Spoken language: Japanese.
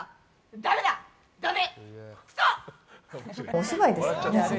ダメだダメ。